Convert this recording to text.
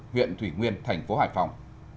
huyện thủy nguyên thành phố hải phòng